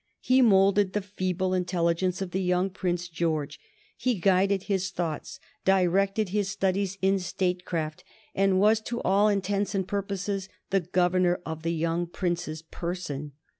He moulded the feeble intelligence of the young Prince George; he guided his thoughts, directed his studies in statecraft, and was to all intents and purposes the governor of the young Prince's person.